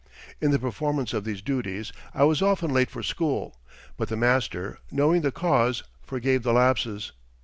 In the performance of these duties I was often late for school, but the master, knowing the cause, forgave the lapses.